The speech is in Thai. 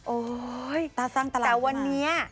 โอ๊ยตาสร้างตลาดแต่วันนี้